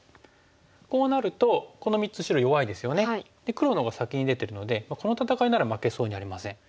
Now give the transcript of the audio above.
黒のほうが先に出てるのでこの戦いなら負けそうにありません。